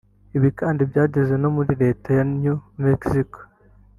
Ibi kandi byageze no muri Leta ya New Mexico